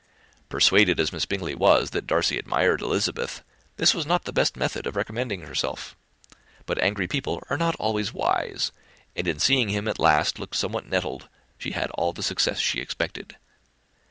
Persuaded as Miss Bingley was that Darcy admired Elizabeth, this was not the best method of recommending herself; but angry people are not always wise; and in seeing him at last look somewhat nettled, she had all the success she expected.